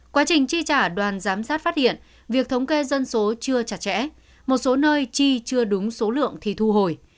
quá trình chi trả đoàn giám sát phát hiện việc thống kê dân số chưa chặt chẽ một số nơi chi chưa đúng số lượng thì thu hồi